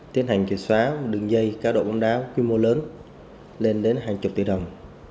tiến hành chìa xóa đường dây cá độ bóng đá quy mô lớn lên đến hàng chục tỷ đồng